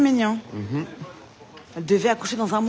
うん。